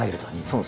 そう。